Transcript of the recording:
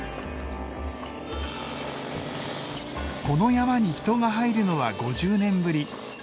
この山に人が入るのは５０年ぶり。